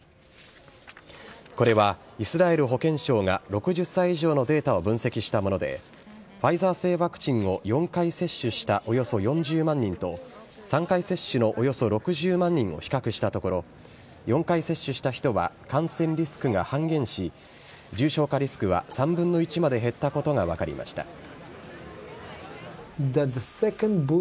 これはイスラエル保健省が６０歳以上のデータを分析したもので、ファイザー製ワクチンを４回接種したおよそ４０万人と、３回接種のおよそ６０万人を比較したところ、４回接種した人は感染リスクが半減し、重症化リスクは３分の１まで減ったことが分かりました。